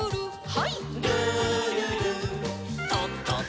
はい。